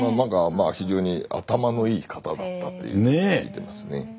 非常に頭のいい方だったというふうに聞いてますね。